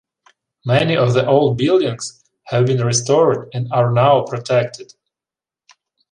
Many of the old buildings have been restored and are now protected.